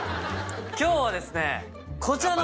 今日はですね。